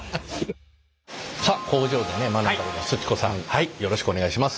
さあ工場でね学んだことすち子さんよろしくお願いします。